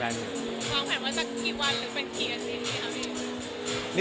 แล้วนี้ขอคิดจริงว่าจากกี่วันแล้วก็เป็นกี่ที